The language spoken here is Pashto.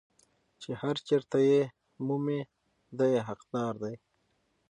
چې هر چېرته یې مومي دی یې حقدار دی.